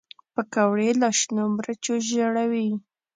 پکورې له شنو مرچو ژړوي